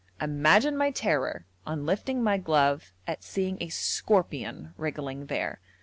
Imagine my terror on lifting my glove at seeing a scorpion wriggling there.